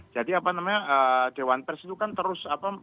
jadi dewan pers itu kan terus